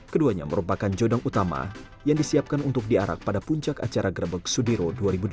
keduanya merupakan jodang utama yang disiapkan untuk diarak pada puncak acara gerebek sudiro dua ribu delapan belas